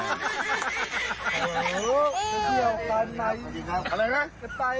จะตายเกินไป